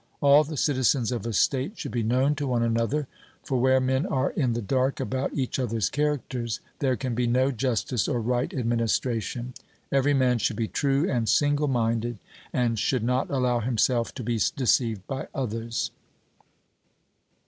All the citizens of a state should be known to one another; for where men are in the dark about each other's characters, there can be no justice or right administration. Every man should be true and single minded, and should not allow himself to be deceived by others.